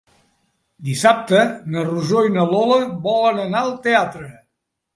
Dissabte na Rosó i na Lola volen anar al teatre.